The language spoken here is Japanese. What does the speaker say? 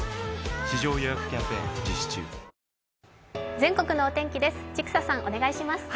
全国のお天気です。